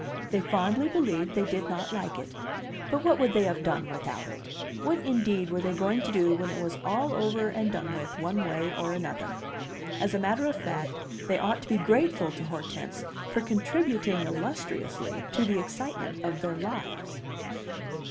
They fondly believed they did not like it; but what would they have done without it? What, indeed, were they going to do when it was all over and done with, one way or another? As a matter of fact, they ought to be grateful to Hortense for contributing illustriously to the excitement of their lives.